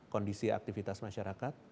kondisi aktivitas masyarakat